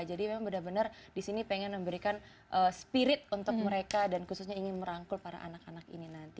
jadi memang benar benar di sini pengen memberikan spirit untuk mereka dan khususnya ingin merangkul para anak anak ini nanti